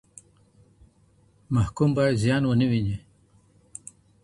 محکوم باید زیان ونه ویني.